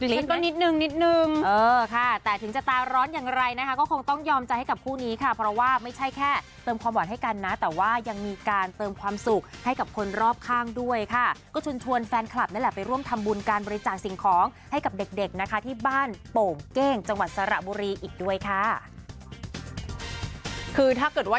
ฉันก็นิดนึงนิดนึงเออค่ะแต่ถึงจะตาร้อนอย่างไรนะคะก็คงต้องยอมใจให้กับคู่นี้ค่ะเพราะว่าไม่ใช่แค่เติมความหวานให้กันนะแต่ว่ายังมีการเติมความสุขให้กับคนรอบข้างด้วยค่ะก็ชวนชวนแฟนคลับนั่นแหละไปร่วมทำบุญการบริจาคสิ่งของให้กับเด็กเด็กนะคะที่บ้านโป่งเก้งจังหวัดสระบุรีอีกด้วยค่ะคือถ้าเกิดว่า